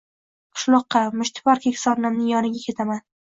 — Qishloqqa, mushtipar keksa onamning yoniga ketaman.